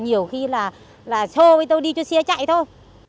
nhiều khi là xô với tôi đi cho xe chạy thôi